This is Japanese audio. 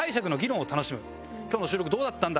「今日の収録どうだったんだ？」